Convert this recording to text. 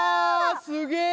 すげえ！